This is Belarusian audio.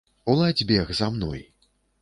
Уладзь бег за мной.